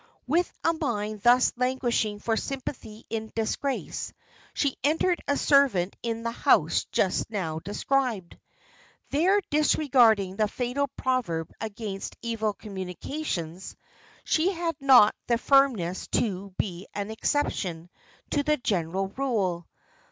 With a mind thus languishing for sympathy in disgrace, she entered a servant in the house just now described. There disregarding the fatal proverb against "evil communications," she had not the firmness to be an exception to the general rule.